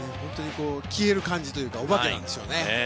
消える感じというかお化けなんですよね。